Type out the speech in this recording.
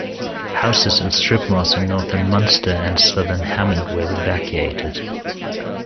Houses and strip malls in northern Munster and southern Hammond were evacuated.